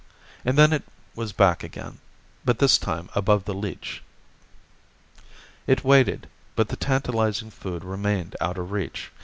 And then it was back again, but this time above the leech. It waited, but the tantalizing food remained out of reach.